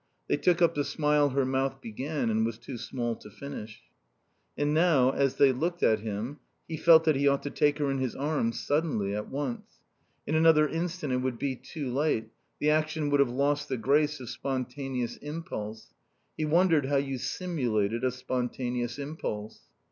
They took up the smile her mouth began and was too small to finish. And now, as they looked at him, he felt that he ought to take her in his arms, suddenly, at once. In another instant it would be too late, the action would have lost the grace of spontaneous impulse. He wondered how you simulated a spontaneous impulse.